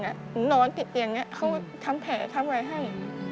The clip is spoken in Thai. หนูนอนติดอย่างนี้เขาทำแผลทำอะไรให้